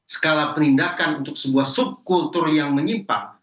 skala penindakan untuk sebuah subkultur yang menyimpang